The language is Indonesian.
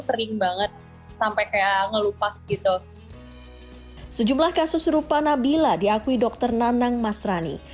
kering banget sampai kayak ngelupas gitu sejumlah kasus rupa nabilah diakui dokter nanang masrani